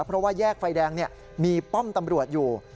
เพราะว่าแยกไฟแดงมีป้อมตำรวจอยู่